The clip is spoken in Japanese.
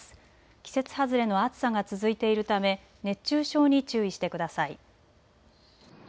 季節外れの暑さが続いているため熱中症に注意してください。